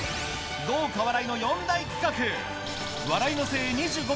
豪華笑いの４大企画